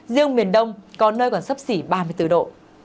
riêng miền đông có nơi còn sấp xỉ ba mươi bốn độ